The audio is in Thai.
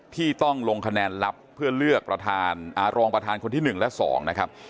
ที่ต้องลงคะแนนลับเพื่อเลือกประธานรองประธานคนที่๑และ๒นะครับ